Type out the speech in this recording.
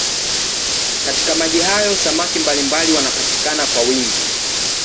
Katika maji hayo samaki mbalimbali wanapatikana kwa wingi.